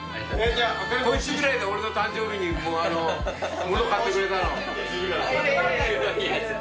こいつぐらいだよ俺の誕生日に物買ってくれたの。